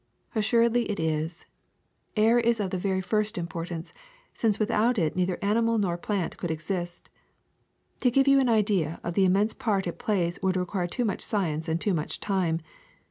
Assuredly it is: air is of the very first importance, since without it neither animal nor plant could exist. To give you an idea of the im mense part it plays would require too much science and too much time.